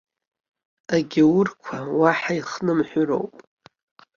Агьааурқәа уаҳа ихнымҳәроуп!